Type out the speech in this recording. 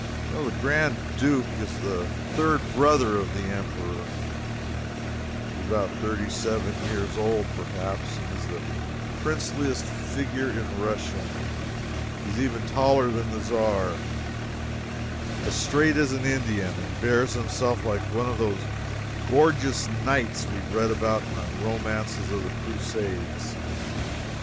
The Grand Duke is the third brother of the Emperor, is about thirty seven years old, perhaps, and is the princeliest figure in Russia. He is even taller than the Czar, as straight as an Indian, and bears himself like one of those gorgeous knights we read about in romances of the Crusades.